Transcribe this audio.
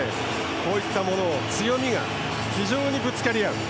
こういったものの強みが非常にぶつかり合う